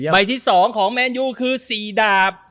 ใบที่๒ของแมนยูคือ๔ดาบ